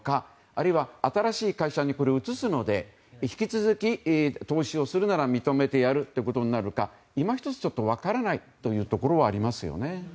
あるいは、新しい会社にそれを移すので引き続き投資をするなら認めてやるということなのかいま一つ分からないところはありますよね。